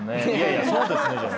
そうですね。